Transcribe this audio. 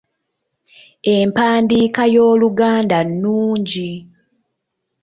Empandiika y’Oluganda nnungi.